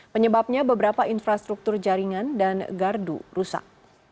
penyebabnya beberapa infrastruktur jaringan dan gardu rusak